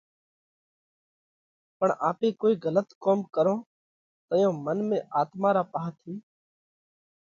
پڻ آپي ڪوئي ڳلت ڪوم ڪرونھ تئيون منَ ۾ آتما را پاھا ٿِي